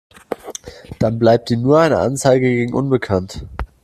Dann bleibt ihm nur eine Anzeige gegen unbekannt.